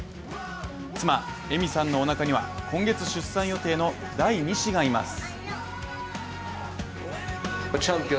妻・恵美さんのおなかには今月出産予定の第二子がいます。